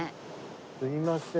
すみません。